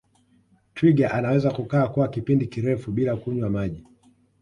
twiga anaweza kukaa kwa kipindi kirefu bila kunywa maji